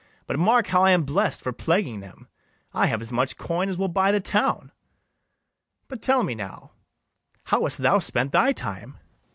But mark how I am blest for plaguing them; I have as much coin as will buy the town. But tell me now, how hast thou spent thy time? ITHAMORE.